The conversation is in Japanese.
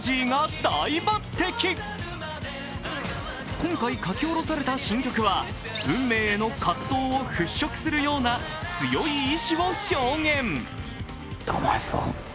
今回書き下ろされた新曲は、運命への葛藤を払拭するような強い意志を表現。